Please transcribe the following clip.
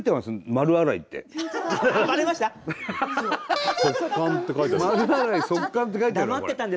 「丸洗い」「速乾」って書いてあるこれ。